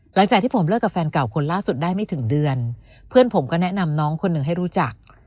หลังจากที่ผมเลิกกับแฟนเก่าคนล่าสุดได้ไม่ถึงเดือนเพื่อนผมก็แนะนำน้องคนหนึ่งให้รู้จัก